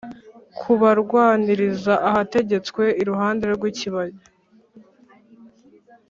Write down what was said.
kubarwaniriza ahategetswe iruhande rw ikibaya